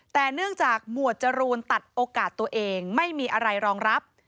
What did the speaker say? แต่เนื่องจากหมวดจรูนตัดโอกาสตัวเองไม่มีอะไรรองรับ